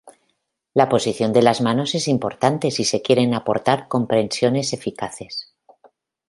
La posición de las manos es importante si se quieren aportar compresiones eficaces.